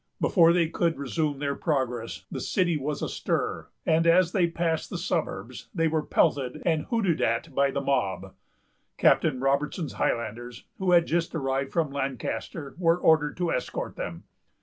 Before they could resume their progress, the city was astir; and as they passed the suburbs, they were pelted and hooted at by the mob. Captain Robertson's Highlanders, who had just arrived from Lancaster, were ordered to escort them.